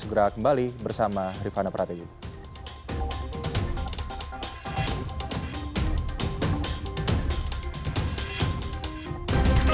segera kembali bersama rifana pratiwi